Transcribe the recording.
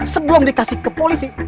sebelum dikasih ke polisi